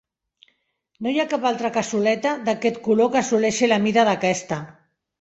No hi ha cap altra cassoleta d'aquest color que assoleixi la mida d'aquesta.